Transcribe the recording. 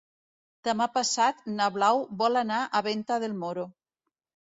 Demà passat na Blau vol anar a Venta del Moro.